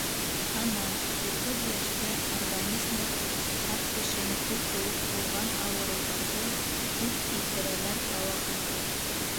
Ана, утыҙ йәштә организмы ҡарт кешенеке кеүек булған ауырыуҙарҙы күп килтерәләр дауаханаға.